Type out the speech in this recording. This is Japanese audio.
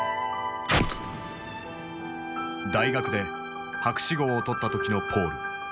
大学で博士号を取った時のポール。